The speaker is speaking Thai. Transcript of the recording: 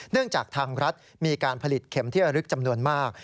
เนื่องจากทางรัฐมีการผลิตเข็มเที่ยวอรึกจำนวนมาก